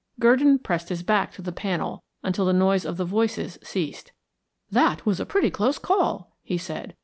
Gurdon pressed his back to the panel until the noise of the voices ceased. "That was a pretty close call," he said.